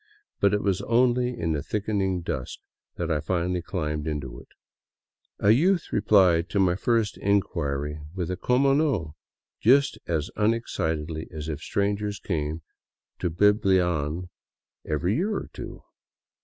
But it was only in the thickening dusk that I finally climbed into it. A youth replied to my first inquiry with a como no !"— just as un excitedly as if strangers came to Biblian every year or two.